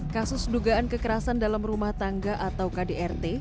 kasus dugaan kekerasan dalam rumah tangga atau kdrt